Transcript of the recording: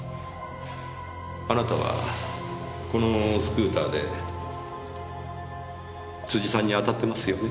あなたはこのスクーターで辻さんにあたってますよね？